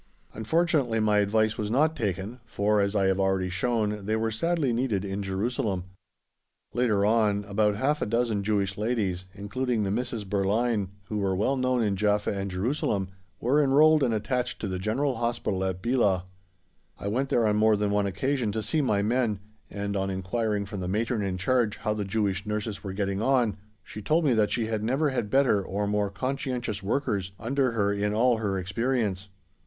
Unfortunately, my advice was not taken, for, as I have already shown, they were sadly needed in Jerusalem. Later on about half a dozen Jewish ladies, including the Misses Berline, who were well known in Jaffa and Jerusalem, were enrolled and attached to the General Hospital at Belah. I went there on more than one occasion to see my men, and on enquiring from the Matron in Charge how the Jewish nurses were getting on she told me that she had never had better or more conscientious workers under her in all her experience.